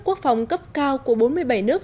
quốc phòng cấp cao của bốn mươi bảy nước